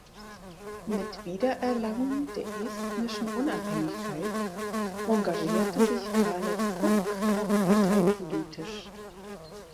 Mit Wiedererlangung der estnischen Unabhängigkeit engagierte sich Kalev Kukk auch parteipolitisch.